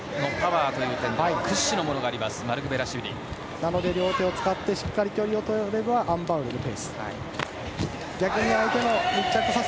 なので、両手をとってしっかり距離をとればアン・バウルのペースです。